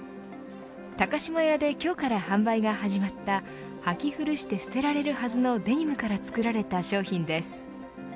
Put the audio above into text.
高島屋で今日から販売が始まったはき古して捨てられるはずのデニムから作られた商品です。